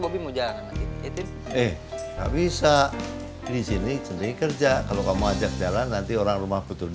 lebih mudah eh tapi bisa disini sendiri kerja kalau kamu ajak jalan nanti orang rumah betul